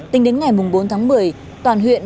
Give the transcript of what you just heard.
tính đến ngày bốn tháng một mươi toàn huyện